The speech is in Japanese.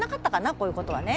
こういうことはね。